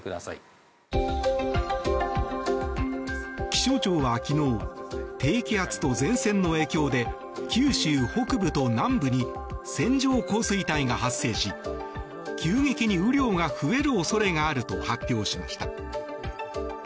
気象庁は昨日低気圧と前線の影響で九州北部と南部に線状降水帯が発生し急激に雨量が増える恐れがあると発表しました。